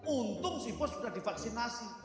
untung si bos sudah divaksinasi